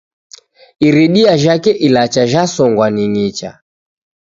Iridia jhake ilacha jhasongwa ning'icha.